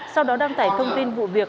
sau đó đăng tải thông tin vụ việc